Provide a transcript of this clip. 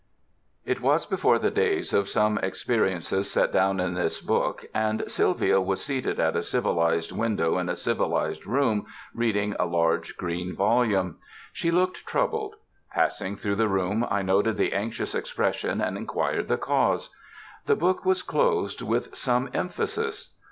IT was before the days of some experiences set down in this book, and Sylvia was seated at a civilized window in a civilized room reading a large green volume. She looked troubled. Passing through the room I noted the anxious expression and inquired the cause. The book was closed with some emphasis.